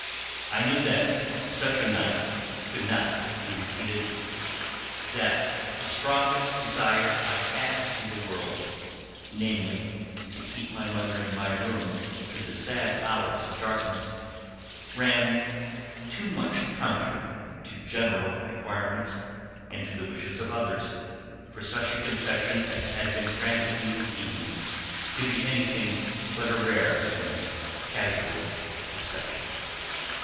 I knew that such a night could not be repeated; that the strongest desire I had in the world, namely, to keep my mother in my room through the sad hours of darkness, ran too much counter to general requirements and to the wishes of others for such a concession as had been granted me this evening to be anything but a rare and casual exception.